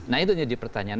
nah itu jadi pertanyaan